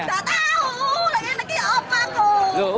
gak tau lagi ngeki opa bu